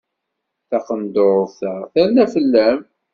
Taqendurt-a terna fell-am.